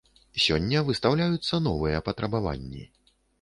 Сёння выстаўляюцца новыя патрабаванні.